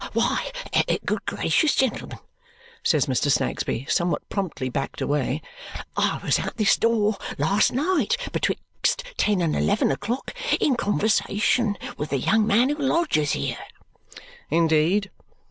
"Why, good gracious, gentlemen," says Mr. Snagsby, somewhat promptly backed away, "I was at this door last night betwixt ten and eleven o'clock in conversation with the young man who lodges here." "Indeed?"